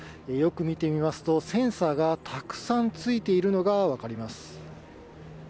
よく見てみますと、センサーがたくさんついているのが分かります。